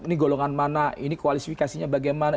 ini golongan mana ini kualifikasinya bagaimana